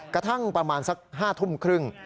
กระทั่งประมาณสัก๕ทุ่มครึ่ง